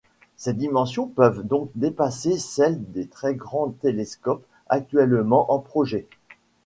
Ces dimensions peuvent donc dépasser celles des très grands télescopes actuellement en projet.